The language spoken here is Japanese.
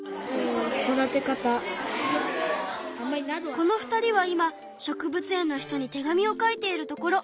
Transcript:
この２人は今植物園の人に手紙を書いているところ。